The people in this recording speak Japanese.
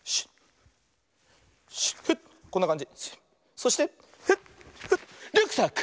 そしてフッフッリュックサック！